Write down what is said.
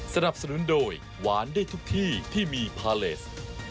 สนับสนุนโดยหวานได้ทุกที่ที่มีพาเลส